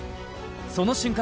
その瞬間